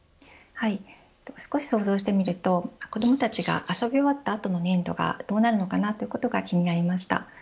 少し想像してみると子どもたちが遊び終わったあとの粘土がどうなるのかということが気になりました。